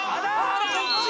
こっち！